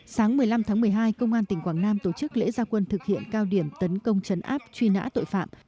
sáng một mươi năm tháng một mươi hai công an tỉnh quảng nam tổ chức lễ gia quân thực hiện cao điểm tấn công chấn áp truy nã tội phạm